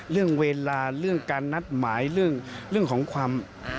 เรื่องเวลาเรื่องการนัดหมายเรื่องของความ